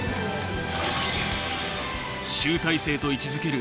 集大成と位置づける